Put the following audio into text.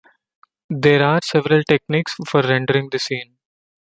There are several techniques for rendering the scene.